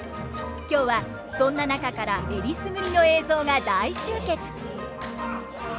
今日はそんな中から選りすぐりの映像が大集結！